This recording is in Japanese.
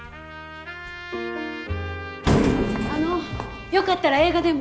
あのよかったら映画でも。